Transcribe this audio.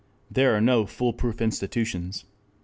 There are no fool proof institutions.